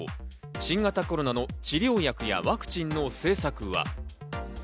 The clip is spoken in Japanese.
新型コロナの治療薬やワクチンの政策は。